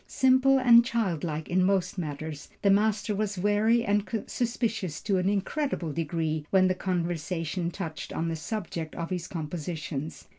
Simple and childlike in most matters, the master was wary and suspicious to an incredible degree when the conversation touched on the subject of his compositions.